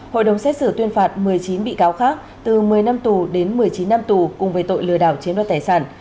hội đồng xét xử tuyên phạt một mươi chín bị cáo khác từ một mươi năm tù đến một mươi chín năm tù cùng với tội lừa đảo chiếm đoạt tài sản